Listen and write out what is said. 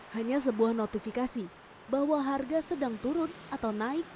hanya sebuah notifikasi bahwa harga sedang turun atau naik